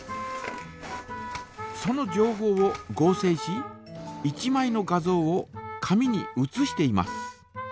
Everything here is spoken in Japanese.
そのじょうほうを合成し１まいの画像を紙に写しています。